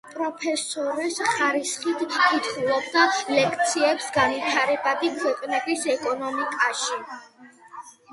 პროფესორის ხარისხით კითხულობდა ლექციებს განვითარებადი ქვეყნების ეკონომიკაში.